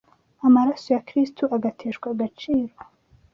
amaraso ya Kristo agateshwa agaciro